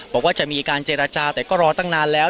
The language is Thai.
บอกว่าจะมีการเจรจาแต่ก็รอตั้งนานแล้ว